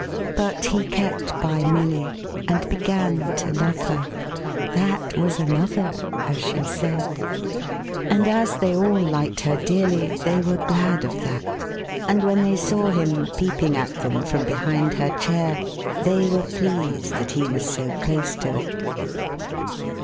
But he kept bv Millv, and began to love her — that was another, as she said !— and, as they all liked her dearly, they were glad of that, and when they saw him peeping at them from behind her chair, they were pleased that he was so close to it.